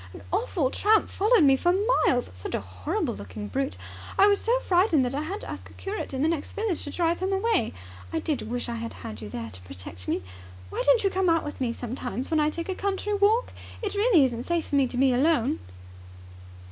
An awful tramp followed me for miles! Such a horrible looking brute. I was so frightened that I had to ask a curate in the next village to drive him away. I did wish I had had you there to protect me. Why don't you come out with me sometimes when I take a country walk? It really isn't safe for me to be alone!"